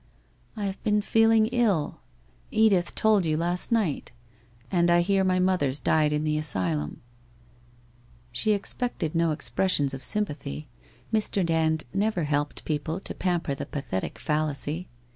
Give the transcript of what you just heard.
' I have been feeling ill. Edith told you last night. And I hear my mother's died in the asylum.' She expected no expressions of sympathy. Mr. Dand never helped people to pamper the pathetic fallacy.